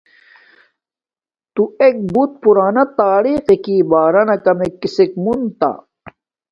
تو ایک بوت پورانا تاریق ققکی بارنا کمک کسک منتا